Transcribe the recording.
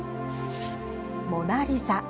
「モナ・リザ」。